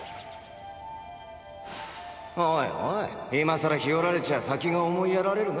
おいおい今更ヒヨられちゃあ先が思いやられるな。